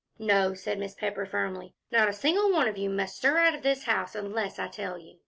"No," said Mrs. Pepper, firmly, "not a single one of you must stir out of this house unless I tell you.